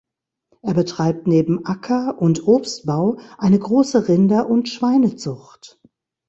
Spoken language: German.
Er betreibt neben Acker- und Obstbau eine große Rinder- und Schweinezucht.